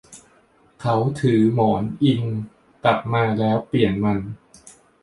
เขาถือหมอนอิงกลับมาแล้วเปลี่ยนมัน